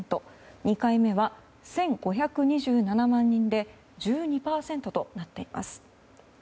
２回目は１５２７万人で１２％となっています。